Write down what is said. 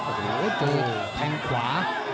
โหเจ้แทงขวา